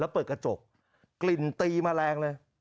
แล้วเปิดกระจกกลิ่นตีมาแรงเลย